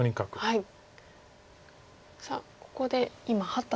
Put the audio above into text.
はい。